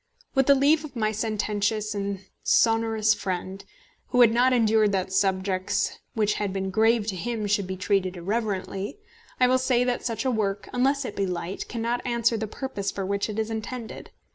With the leave of my sententious and sonorous friend, who had not endured that subjects which had been grave to him should be treated irreverently, I will say that such a work, unless it be light, cannot answer the purpose for which it is intended.